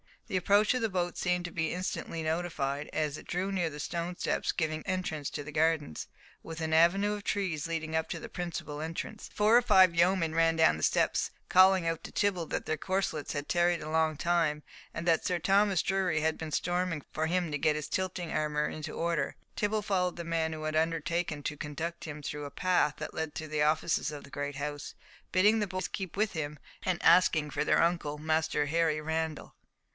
The approach of the boat seemed to be instantly notified, as it drew near the stone steps giving entrance to the gardens, with an avenue of trees leading up to the principal entrance. Four or five yeomen ran down the steps, calling out to Tibble that their corslets had tarried a long time, and that Sir Thomas Drury had been storming for him to get his tilting armour into order. Tibble followed the man who had undertaken to conduct him through a path that led to the offices of the great house, bidding the boys keep with him, and asking for their uncle Master Harry Randall.